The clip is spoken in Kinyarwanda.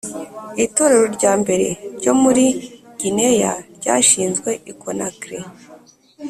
itorero rya mbere ryo muri Gineya ryashinzwe i Conakry